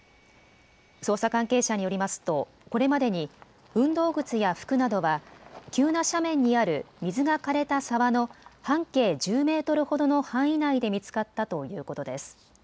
捜査関係者によりますと、これまでに運動靴や服などは、急な斜面にある水がかれた沢の半径１０メートルほどの範囲内で見つかったということです。